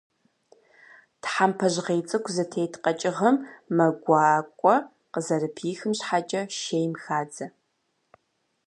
Тхьэмпэ жьгъей цӏыкӏу зытет къэкӏыгъэм мэ гуакӏуэ къызэрыпихым щхьэкӏэ, шейм хадзэ.